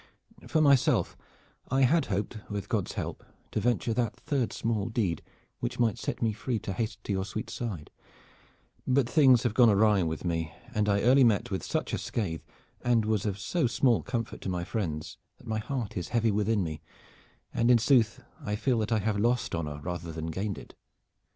For myself I had hoped, with Godde's help, to venture that third small deed which might set me free to haste to your sweet side, but things have gone awry with me, and I early met with such scathe and was of so small comfort to my friends that my heart is heavy within me, and in sooth I feel that I have lost honor rather than gained it.